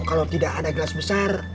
kalau tidak ada gelas besar